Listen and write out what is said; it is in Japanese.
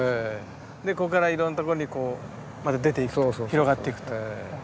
でここからいろんなとこにこうまた出ていくと広がっていくと。